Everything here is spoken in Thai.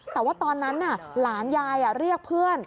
แต่ว่าตอนนั้นหลานยายเรียกเพื่อน